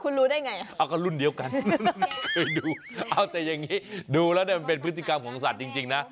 คุณรู้ได้ไงเข้าใจอย่างนี้ดูแล้วได้มันเป็นพฤติกรรมของสัตว์จริงนะ